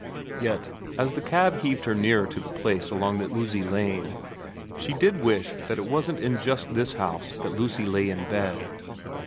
Yet, as the cab heaved her nearer to the place along the oozy lane, she did wish that it wasn't in just this house that Lucy lay in bed.